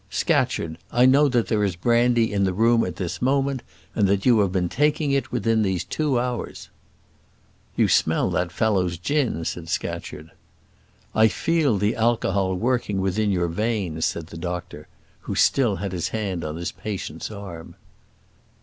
"Scatcherd, I know that there is brandy in the room at this moment, and that you have been taking it within these two hours." "You smell that fellow's gin," said Scatcherd. "I feel the alcohol working within your veins," said the doctor, who still had his hand on his patient's arm.